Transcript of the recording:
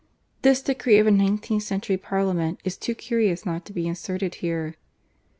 This decree of a nineteenth cen tury Parliament is too curious not to be inserted here.